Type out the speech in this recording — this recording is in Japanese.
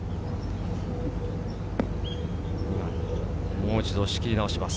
もう一度、仕切り直します。